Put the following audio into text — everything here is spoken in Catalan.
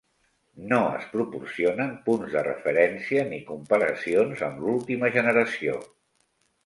No es proporcionen punts de referència ni comparacions amb l'última generació.